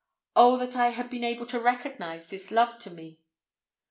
Oh that I had been able to recognise this love to me!